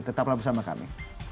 tetaplah bersama kami